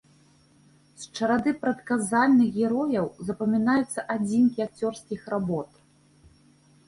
З чарады прадказальных герояў запамінаюцца адзінкі акцёрскіх работ.